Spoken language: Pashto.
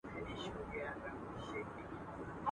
نه محفل كي ګناهونه ياغي كېږي.